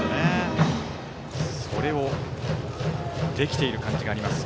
それをできている感じがあります。